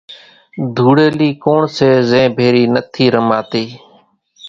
ڌوڙيلي ڪوڻ سي زين ڀيري نٿي رماتي